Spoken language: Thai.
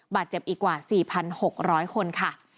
บาดเจ็บอีกกว่า๔๖๐๐คนค่ะ